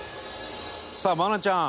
さあ愛菜ちゃん。